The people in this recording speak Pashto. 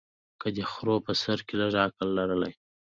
که دې خرو په سر کي لږ عقل لرلای